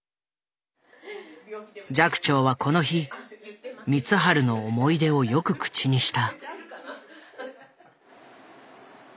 寂聴はこの日光晴の思い出をよく口にした。